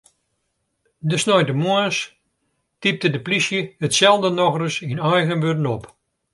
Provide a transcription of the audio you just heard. De sneintemoarns typte de plysje itselde nochris yn eigen wurden op.